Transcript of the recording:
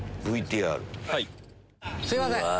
すいません。